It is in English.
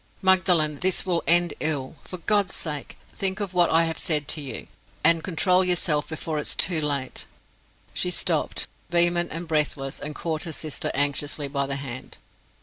Magdalen! this will end ill. For God's sake, think of what I have said to you, and control yourself before it is too late!" She stopped, vehement and breathless, and caught her sister anxiously by the hand.